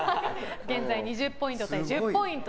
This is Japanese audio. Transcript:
現在、２０ポイント対１０ポイント。